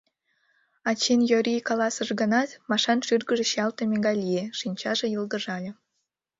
Ачин йорий каласыш гынат, Машан шӱргыжӧ чиялтыме гай лие, шинчаже йылгыжале.